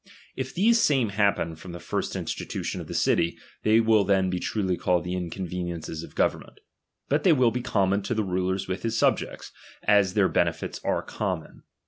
If these same happen from the first I. institution of the city, they will then be truly called the inconveniences of government ; but they will be common to the ruler with his subjects, as their benefits are common.